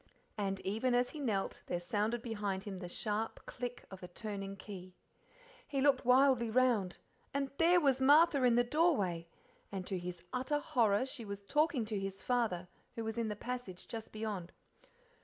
And even as he knelt there sounded behind him the sharp click of a turning key. He looked wildly round, and there was Martha in the doorway, and to his utter horror she was talking to his father, who was in the passage just beyond.